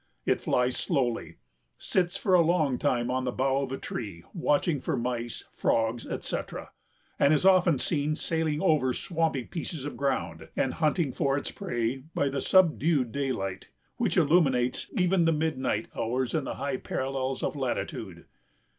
It flies slowly, sits for a long time on the bough of a tree, watching for mice, frogs, etc., and is often seen sailing over swampy pieces of ground, and hunting for its prey by the subdued daylight, which illuminates even the midnight hours in the high parallels of latitude."